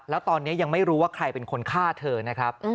แล้วตอนนี้ยังไม่รู้ว่าใครเป็นคนฆ่าเธอนะครับ